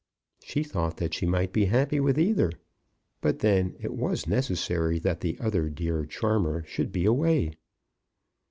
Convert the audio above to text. She thought that she might be happy with either; but then it was necessary that the other dear charmer should be away.